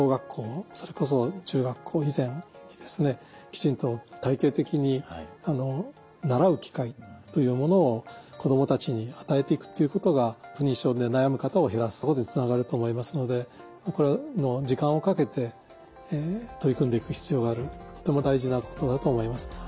きちんと体系的に習う機会というものを子どもたちに与えていくということが不妊症で悩む方を減らすことにつながると思いますのでこれは時間をかけて取り組んでいく必要があるとても大事なことだと思います。